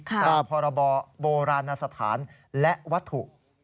ตามพรบโบราณสถานและวัตถุ